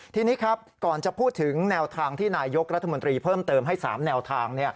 ทีนี้ครับก่อนจะพูดถึงแนวทางที่นายยกรัฐมนตรีเพิ่มเติมให้๓แนวทาง